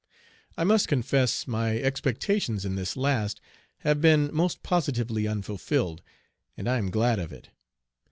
I must confess my expectations in this last have been most positively unfulfilled, and I am glad of it.